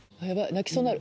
泣きそうになる。